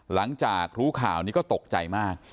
หลังจากรู้ข่าวนี้ก็ตกใจมาก